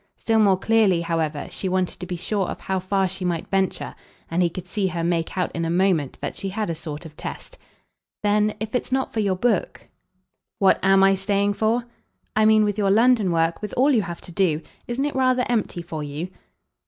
Still more clearly, however, she wanted to be sure of how far she might venture; and he could see her make out in a moment that she had a sort of test. "Then if it's not for your book ?" "What AM I staying for?" "I mean with your London work with all you have to do. Isn't it rather empty for you?"